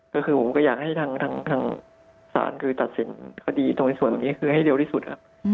ก็คือผมก็อยากให้ทางศาลคือตัดสินคดีตรงในส่วนตรงนี้คือให้เร็วที่สุดครับ